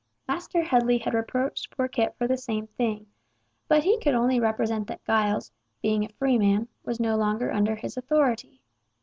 Master Headley had reproached poor Kit for the same thing, but he could only represent that Giles, being a freeman, was no longer under his authority.